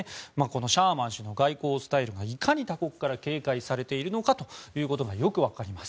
シャーマン氏の外交スタイルがいかに他国から警戒されているのかがよく分かります。